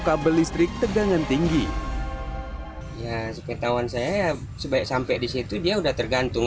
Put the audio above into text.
kabel listrik tegangan tinggi ya sepertawan saya sebaik sampai di situ dia udah tergantung